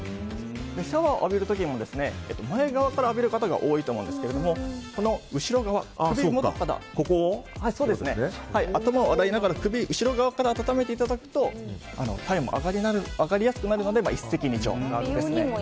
シャワーを浴びる時も前側から浴びる方が多いと思うんですけど、後ろ側頭を洗いながら首後ろ側から温めていただくと体温も上がりやすくなるので一石二鳥です。